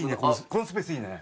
このスペースいいね。